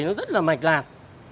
nó rất là mạch lạc